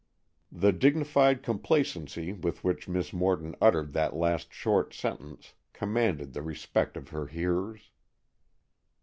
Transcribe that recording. The dignified complacency with which Miss Morton uttered that last short sentence commanded the respect of her hearers.